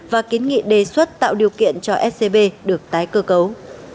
và kiến nghị đề xuất tạo điều kiện cho scb được tái cơ cấu